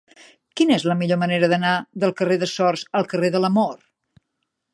Quina és la millor manera d'anar del carrer de Sors al carrer de l'Amor?